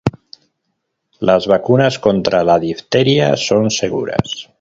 Las vacunas contra la difteria son seguras